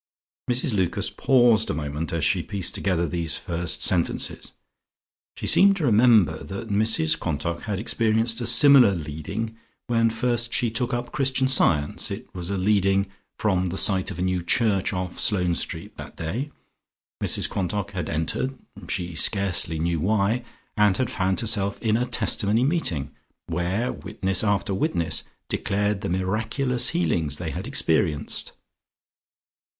Mrs Lucas paused a moment as she pieced together these first sentences. She seemed to remember that Mrs Quantock had experienced a similar leading when first she took up Christian Science. It was a leading from the sight of a new church off Sloane Street that day; Mrs Quantock had entered (she scarcely knew why) and had found herself in a Testimony Meeting, where witness after witness declared the miraculous healings they had experienced.